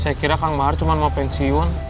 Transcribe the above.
saya kira kang bahar cuma mau pensiun